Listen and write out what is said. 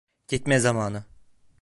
Gitme zamanı.